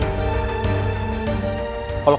dia gak berdosa